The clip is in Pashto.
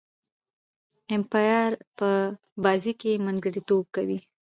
امپایر په بازي کښي منځګړیتوب کوي.